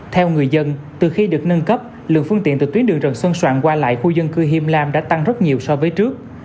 theo người dân từ khi được nâng cấp lượng phương tiện từ tuyến đường trần xuân soạn qua lại khu dân cư hiêm lam đã tăng rất nhiều so với trước